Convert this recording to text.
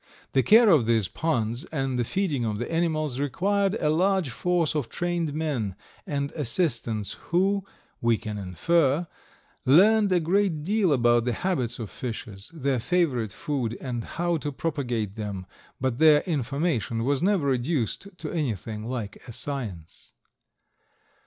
The care of these ponds, and the feeding of the animals, required a large force of trained men and assistants who, we can infer, learned a great deal about the habits of fishes, their favorite food, and how to propagate them, but their information was never reduced to anything like a science.